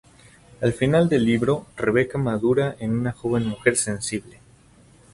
Al final del libro, Rebecca madura en una joven mujer sensible.